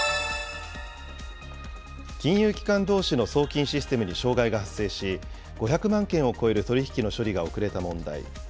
金融機関どうしの送金システムに障害が発生し、５００万件を超える取り引きの処理が遅れた問題。